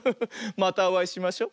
またおあいしましょ。